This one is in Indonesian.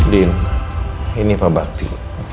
din ini pak bakti